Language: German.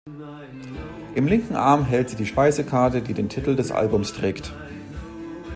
Im linken Arm hält sie die Speisekarte, die den Titel des Albums trägt.